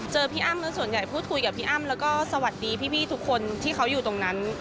พี่อ้ำแล้วส่วนใหญ่พูดคุยกับพี่อ้ำแล้วก็สวัสดีพี่ทุกคนที่เขาอยู่ตรงนั้น